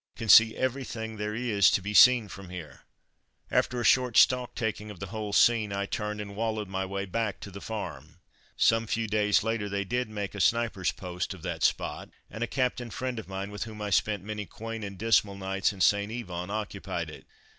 "Can see everything there is to be seen from here." After a short stocktaking of the whole scene, I turned and wallowed my way back to the farm. Some few days later they did make a sniper's post of that spot, and a captain friend of mine, with whom I spent many quaint and dismal nights in St. Yvon, occupied it.